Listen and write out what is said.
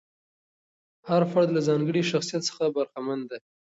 هر فرد له ځانګړي شخصیت څخه برخمن دی.